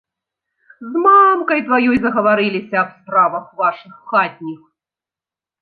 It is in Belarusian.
З мамкай тваёй загаварыліся аб справах вашых хатніх.